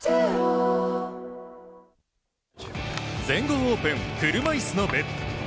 全豪オープン車いすの部。